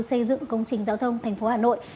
xây dựng công trình giao thông thành phố hà nội